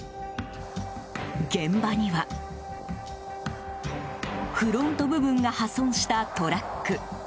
現場には、フロント部分が破損したトラック。